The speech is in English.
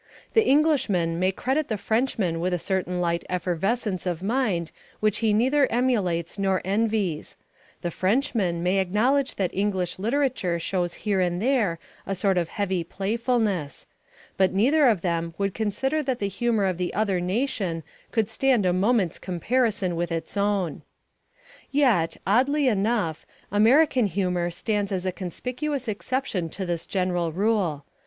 The Englishman may credit the Frenchman with a certain light effervescence of mind which he neither emulates nor envies; the Frenchman may acknowledge that English literature shows here and there a sort of heavy playfulness; but neither of them would consider that the humour of the other nation could stand a moment's comparison with his own. Yet, oddly enough, American humour stands as a conspicuous exception to this general rule.